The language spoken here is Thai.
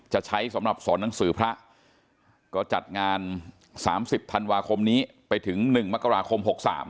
จะใช้สำหรับสอนหนังสือพระก็จัดงาน๓๐ธันวาคมนี้ไปถึง๑มกราคม๖๓